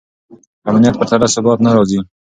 امنیت پرته ثبات نه راځي.